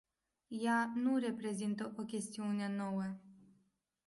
Ea nu reprezintă o chestiune nouă.